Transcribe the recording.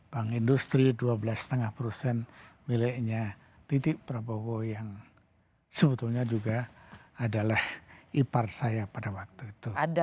bank industri dua belas lima persen miliknya titik prabowo yang sebetulnya juga adalah ipart saya pada waktu itu